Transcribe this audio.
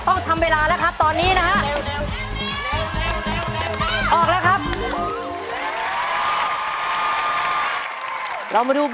เป็นมาแล้วครับ